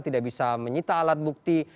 tidak bisa menyita alat bukti